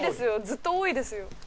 ずっと多いですよ。